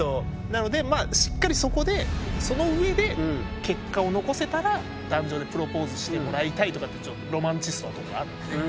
なのでしっかりそこでそのうえで結果を残せたら壇上でプロポーズしてもらいたいとかってロマンチストなところがあるので。